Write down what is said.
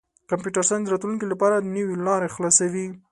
کمپیوټر ساینس د راتلونکي لپاره نوې لارې خلاصوي.